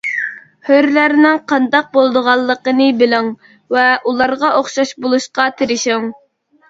ھۆرلەرنىڭ قانداق بولىدىغانلىقىنى بىلىڭ ۋە ئۇلارغا ئوخشاش بولۇشقا تىرىشىڭ.